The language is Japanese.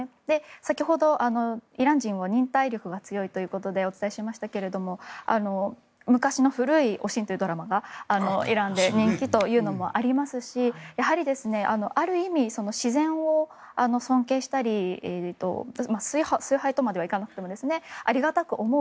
先ほどイラン人を忍耐力が強いということでお伝えしましたが昔の古い「おしん」というドラマがイランで人気というのもありますしある意味、自然を尊敬したり崇拝まではいかなくてもありがたく思う